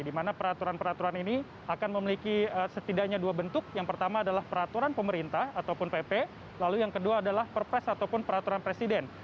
dimana peraturan peraturan ini akan memiliki setidaknya dua bentuk yang pertama adalah peraturan pemerintah ataupun pp lalu yang kedua adalah perpres ataupun peraturan presiden